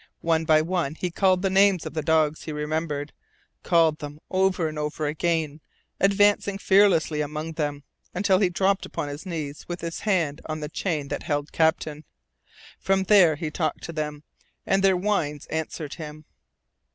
One by one he called the names of the dogs he remembered called them over and over again, advancing fearlessly among them, until he dropped upon his knees with his hand on the chain that held Captain. From there he talked to them, and their whines answered him.